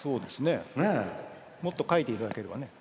もっと書いていただければね。